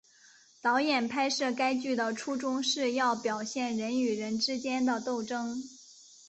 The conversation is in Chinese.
导演拍摄该剧的初衷是要表现人与人之间的斗争。